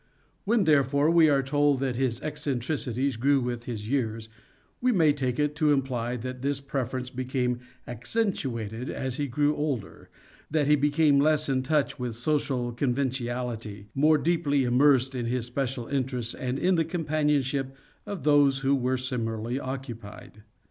When, therefore, we are told that his eccentricities grew with his years, we may take it to imply that this preference became accentuated as he grew older, that he became less in touch with social conventionality, more deeply im mersed in his special interests and in the companionship of those who were similarly occupied.